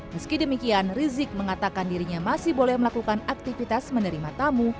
meski demikian rizik mengatakan dirinya masih boleh melakukan aktivitas menerima tamu